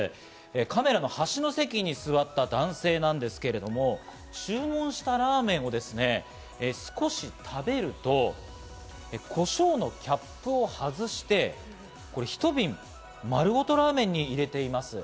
カメラの端の席に座った男性なんですけれども、注文したラーメンをですね、少し食べると、コショウのキャップを外して、１瓶丸ごとラーメンに入れています。